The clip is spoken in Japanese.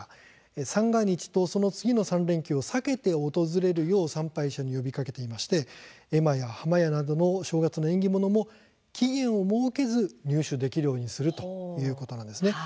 三が日と、その次の３連休を避けて訪れるよう呼びかけていまして絵馬や破魔矢などの正月の縁起物も期限を設けずに入手できるようにするということなんですね。